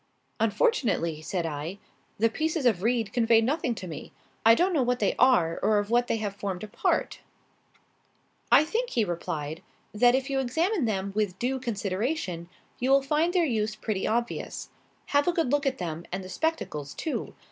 "Unfortunately," said I, "the pieces of reed convey nothing to me. I don't know what they are or of what they have formed a part." "I think," he replied, "that if you examine them with due consideration, you will find their use pretty obvious. Have a good look at them and the spectacles too.